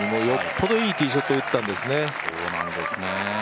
よっぽどいいティーショットを打ったんですね。